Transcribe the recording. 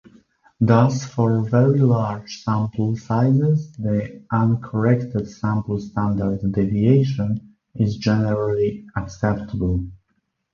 Thus for very large sample sizes, the uncorrected sample standard deviation is generally acceptable.